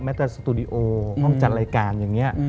จะสตูดิโอห้องจัดรายการอย่างนี้